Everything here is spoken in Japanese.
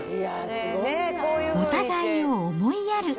お互いを思いやる。